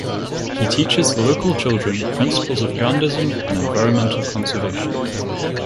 He teaches the local children principles of Gandhism and environmental conservation.